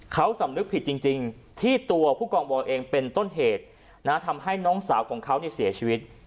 เขาสำนึกผิดจริงที่ตัวผู้กองบอยเองเป็นต้นเหตุทำให้น้องสาวของเขาเสียชีวิต